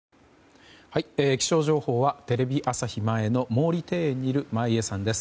気象情報はテレビ朝日前の毛利庭園にいる眞家さんです。